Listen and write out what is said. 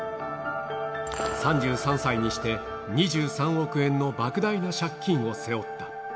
３３歳にして、２３億円のばく大な借金を背負った。